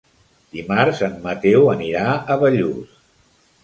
Dimarts en Mateu anirà a Bellús.